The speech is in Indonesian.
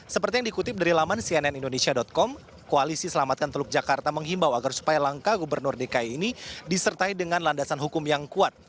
seperti yang dikutip dari laman cnnindonesia com koalisi selamatkan teluk jakarta menghimbau agar supaya langkah gubernur dki ini disertai dengan landasan hukum yang kuat